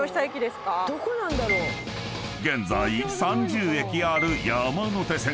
［現在３０駅ある山手線］